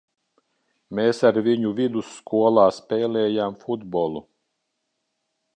Mēs ar viņu vidusskolā spēlējām futbolu.